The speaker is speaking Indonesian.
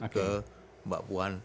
ke mbak puan